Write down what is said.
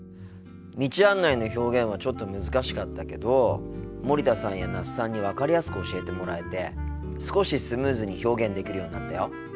道案内の表現はちょっと難しかったけど森田さんや那須さんに分かりやすく教えてもらえて少しスムーズに表現できるようになったよ。